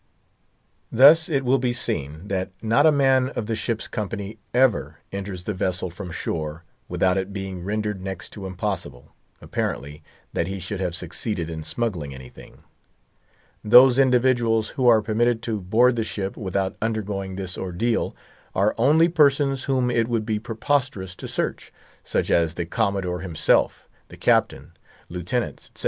Thus it will be seen that not a man of the ship's company ever enters the vessel from shore without it being rendered next to impossible, apparently, that he should have succeeded in smuggling anything. Those individuals who are permitted to board the ship without undergoing this ordeal, are only persons whom it would be preposterous to search—such as the Commodore himself, the Captain, Lieutenants, etc.